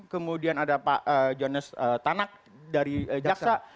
kemudian ada pak jonas tanak dari jaksa